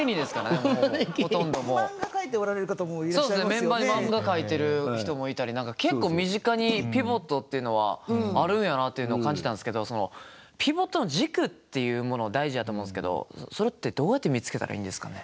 メンバーに漫画描いてる人もいたり何か結構身近にピボットっていうのはあるんやなっていうのを感じたんすけどそのピボットの軸っていうもの大事やと思うんすけどそれってどうやって見つけたらいいんですかね？